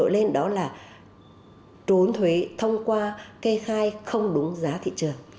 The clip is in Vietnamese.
một câu chuyện nổi lên đó là trốn thuế thông qua cây khai không đúng giá thị trường